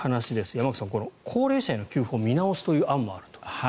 山口さん、高齢者への給付を見直すという案もあると。